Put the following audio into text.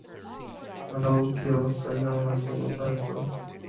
The village is named for one of the early families of Franklin Parish.